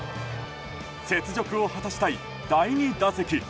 雪辱を果たしたい第２打席。